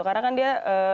karena kan dia